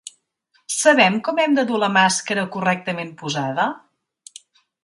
Sabem com hem de dur la màscara correctament posada?